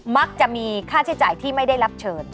มักจะมีค่าใช้จ่ายที่ไม่ได้รับเชิญ